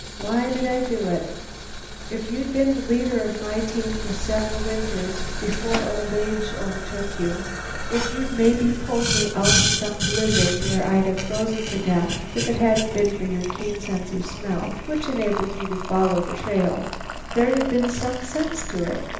Why did I do it? If you'd been the leader of my team for several winters before old age overtook you; if you'd maybe pulled me out of some blizzard where I'd have frozen to death if it hadn't been for your keen sense of smell, which enabled you to follow the trail, there'd have been some sense to it.